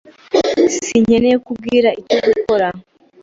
Sinkeneye ko umbwira icyo gukora.